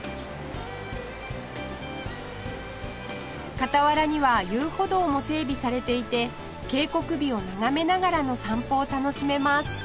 傍らには遊歩道も整備されていて渓谷美を眺めながらの散歩を楽しめます